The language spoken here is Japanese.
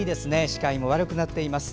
視界も悪くなっています。